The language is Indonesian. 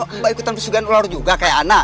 oh mbak ikutan persyugaan lelah juga kayak ana